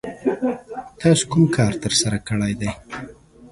تاسو کوم کار ترسره کړی دی؟